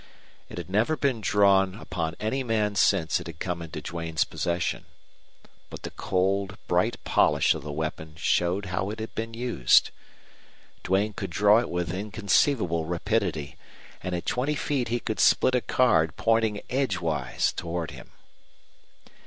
It had never been drawn upon any man since it had come into Duane's possession. But the cold, bright polish of the weapon showed how it had been used. Duane could draw it with inconceivable rapidity, and at twenty feet he could split a card pointing edgewise toward him.